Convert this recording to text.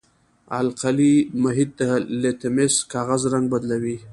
القلي محیط د لتمس کاغذ رنګ بدلوي.